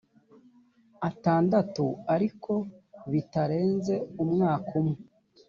atandatu ariko kitarenze umwaka umwe